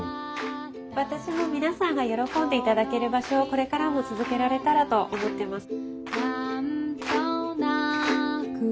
私も皆さんが喜んでいただける場所をこれからも続けられたらと思ってます。